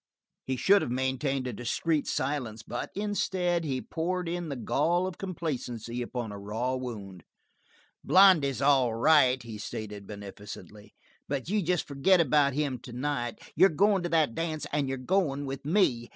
He should have maintained a discreet silence, but instead, he poured in the gall of complacency upon a raw wound. "Blondy's all right," he stated beneficently, "but you just forget about him tonight. You're going to that dance, and you're going with me.